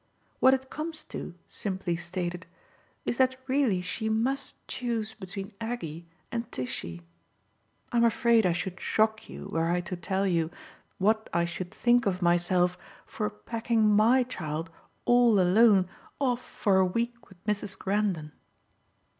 What it comes to, simply stated, is that really she must choose between Aggie and Tishy. I'm afraid I should shock you were I to tell you what I should think of myself for packing MY child, all alone, off for a week with Mrs. Grendon."